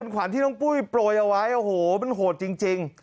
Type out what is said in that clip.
ขวัญที่น้องปุ้ยโปรยเอาไว้โอ้โหมันโหดจริง